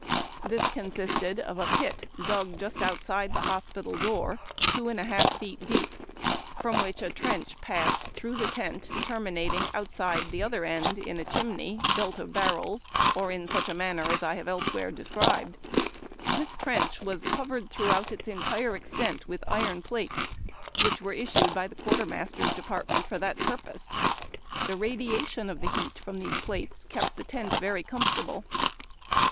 This consisted of a pit, dug just outside of the hospital door, two and a half feet deep, from which a trench passed through the tent, terminating outside the other end in a chimney, built of barrels, or in such a manner as I have elsewhere described. This trench was covered throughout its entire extent Avith iron plates, which were issued by the quartermaster's department for that purpose. The radiation of the heat from the plates kept the tent very comfortable.